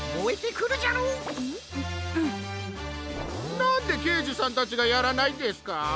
なんでけいじさんたちがやらないんですか？